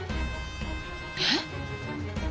えっ？